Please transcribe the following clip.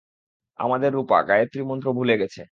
আমাদের রুপা গায়েত্রী মন্ত্র ভুলে গেছে।